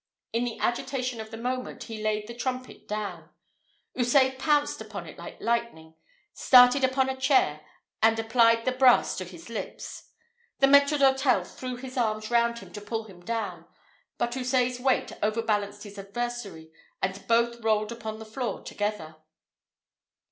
In the agitation of the moment he laid the trumpet down; Houssaye pounced upon it like lightning, started upon a chair, and applied the brass to his lips. The maître d'hôtel threw his arms round him to pull him down, but Houssaye's weight overbalanced his adversary, and both rolled upon the floor together.